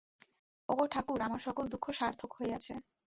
ওগো ঠাকুর, আমার সকল দুঃখ সার্থক হইয়াছে।